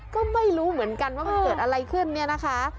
ก็ไม่รู้เหมือนกันว่ามันเกิดอะไรขึ้นเนี่ยนะคะ